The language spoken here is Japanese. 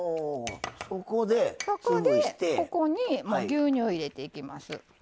そこでここに牛乳入れていきます。